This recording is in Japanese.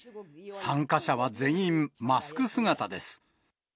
参加者は全員マスク姿です。